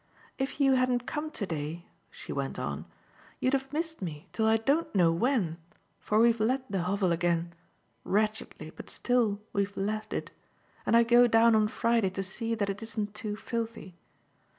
"If you hadn't come to day," she went on, "you'd have missed me till I don't know when, for we've let the Hovel again wretchedly, but still we've let it and I go down on Friday to see that it isn't too filthy.